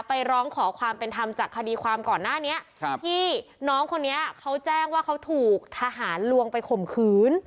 ร้องขอความเป็นธรรมจากคดีความก่อนหน้านี้ครับที่น้องคนนี้เขาแจ้งว่าเขาถูกทหารลวงไปข่มขืน